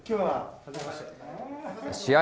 試合